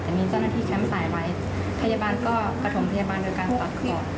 แต่มีเจ้าหน้าที่แคมป์สายไว้พยาบาลก็ประถมพยาบาลโดยการสอดคลอด